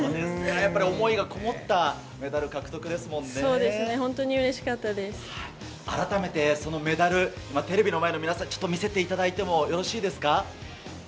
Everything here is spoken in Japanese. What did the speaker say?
やっぱり思いがそうですね、改めてそのメダル、テレビの前の皆さんに、ちょっと見せていただいてもよろしいですか？